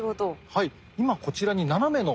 はい。